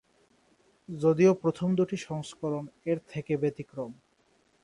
যদিও প্রথম দুটি সংস্করণ এর থেকে ব্যতিক্রম।